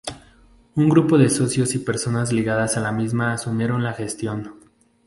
Un grupo de socios y personas ligadas a la misma asumieron la gestión.